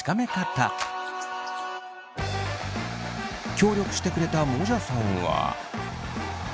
協力してくれたもじゃさんは。